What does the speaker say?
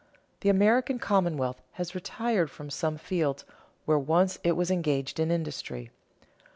_ The American commonwealth has retired from some fields where once it was engaged in industry.